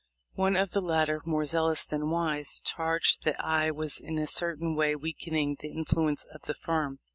One of the latter, more zealous than wise, charged that I was in a certain way weakening the influence of the firm.